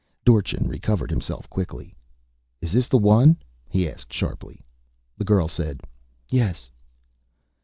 Dorchin recovered himself quickly. "Is this the one?" he asked sharply. The girl said, "Yes."